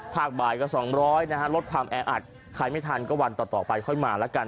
บ่ายก็๒๐๐นะฮะลดความแออัดใครไม่ทันก็วันต่อไปค่อยมาแล้วกัน